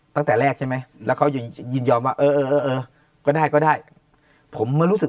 ตั้งแต่แรกใช่ไหมแล้วเขายืนยอมว่าเออเออได้ผมเหมือนรู้สึก